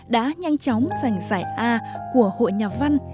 đã nhanh chóng giành giải a của hội nhà văn